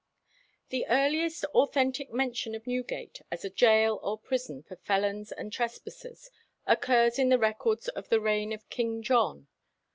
The earliest authentic mention of Newgate as a gaol or prison for felons and trespassers occurs in the records of the reign of King John.